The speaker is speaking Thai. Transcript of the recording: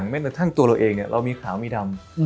แม้ตัวทั้งตัวเราเองคือมีขาวมีดำ